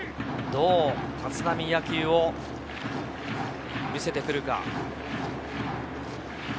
どう立浪野球を見せてくるか。